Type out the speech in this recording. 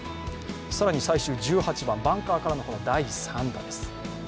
更に最終１８番バンカーからの第３打です。